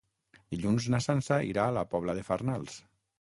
Dilluns na Sança irà a la Pobla de Farnals.